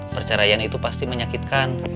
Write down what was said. perceraian itu pasti menyakitkan